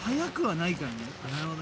なるほどね。